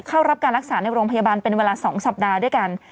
เข้ารับการรักษาในโรงพยาบาลเป็นเวลา๒สัปดาห์ด้วยกัน